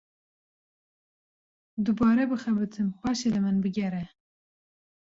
Dubare bixebitin paşê li min bigere.